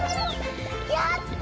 やった！